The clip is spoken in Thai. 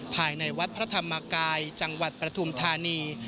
ภายในวัดพระธรรมกายจังหวัดปฐุมธานี